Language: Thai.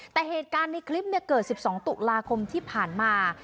แต่เหตุการณ์ในคลิปเมื่อเกิดสิบสองตุลาคมที่ผ่านมา